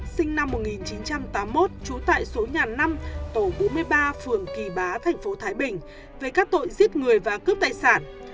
sinh năm một nghìn chín trăm tám mươi một trú tại số nhà năm tổ bốn mươi ba phường kỳ bá thành phố thái bình về các tội giết người và cướp tài sản